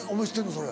それ。